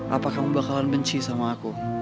apa kamu bakalan benci sama aku